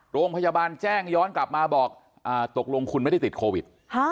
โรงพยาบาลแจ้งย้อนกลับมาบอกตกลงคุณไม่ได้ติดโควิด